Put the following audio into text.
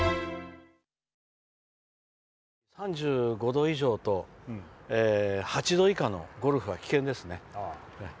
３５度以上と３８度以下のゴルフは危険ですね。